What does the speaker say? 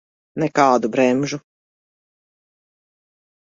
Nekādu bremžu.